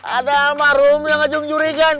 ada marum yang ngajungjurikan